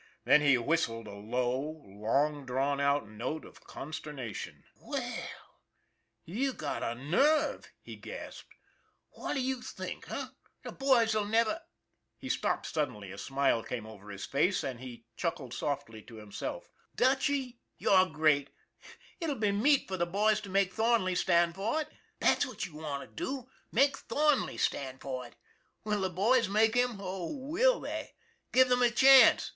Then he whistled a low, long drawn out note of consternation. " Well, you've got a nerve !" he gasped. " What do you think, eh? The boys'll never " He stopped suddenly, a smile came over his face, and he chuckled softly to himself. " Dutchy, you're great ! It'll be meat for the boys to make Thornley stand for it. That's what you want to do make Thornley stand 304 ON THE IRON AT BIG CLOUD for it. Will the boys make him? Oh, will they! Give them the chance.